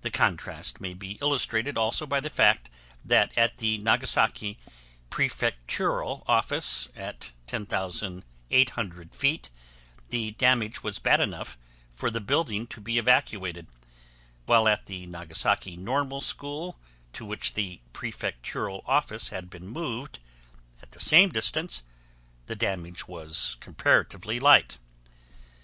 The contrast may be illustrated also by the fact that at the Nagasaki Prefectural office at 10,800 feet the damage was bad enough for the building to be evacuated, while at the Nagasaki Normal School to which the Prefectural office had been moved, at the same distance, the damage was comparatively light.